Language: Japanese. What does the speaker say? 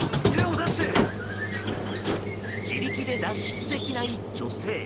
自力で脱出できない女性。